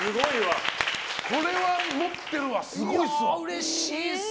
これは持ってるわ、すごい。